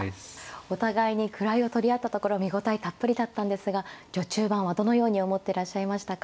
お互いに位を取り合ったところ見応えたっぷりだったんですが序中盤はどのように思ってらっしゃいましたか。